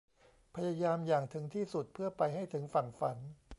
พยายามอย่างถึงที่สุดเพื่อไปให้ถึงฝั่งฝัน